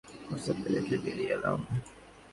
ভ্যালডিমারকে আমরা ঠিক এই অবস্থাতেই রেখে বেরিয়ে এলাম।